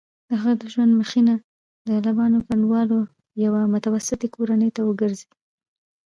د هغه د ژوند مخینه د لبنان کډوالو یوې متوسطې کورنۍ ته ورګرځي.